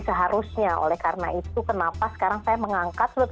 seharusnya oleh karena itu kenapa sekarang saya tidak bisa mencari penulis lagu